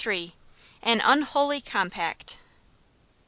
An Unholy Compact.